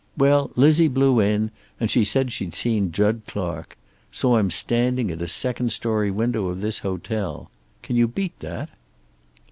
Well, Lizzie blew in, and she said she'd seen Jud Clark. Saw him standing at a second story window of this hotel. Can you beat that?"